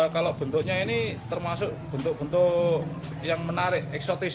kalau bentuknya ini termasuk bentuk bentuk yang menarik eksotis